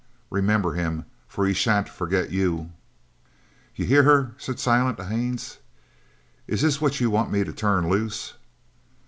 Remember him, for he shan't forget you!" "You hear her?" said Silent to Haines. "Is this what you want me to turn loose?"